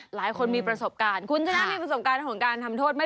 หลายคนมีประสบการณ์คุณชนะมีประสบการณ์ของการทำโทษไหม